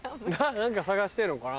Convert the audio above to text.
何か捜してんのかな。